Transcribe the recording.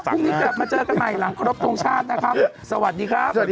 ครึ่งนี้ก็มันเจอกันใหม่หลังครบตรงชาตินะครับสวัสดีครับ